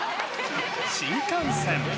新幹線。